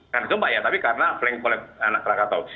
kan sumpah ya tapi karena flank oleh anak karakatau